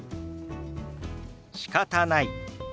「しかたない」。